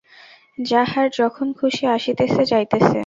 যাহার যখন খুশি আসিতেছে যাইতেছে।